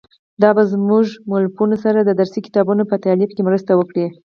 دا به زموږ له مؤلفانو سره د درسي کتابونو په تالیف کې مرسته وکړي.